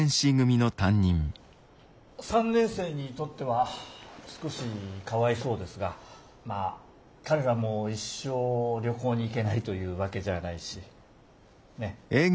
３年生にとっては少しかわいそうですがまあ彼らも一生旅行に行けないというわけじゃないしねっ。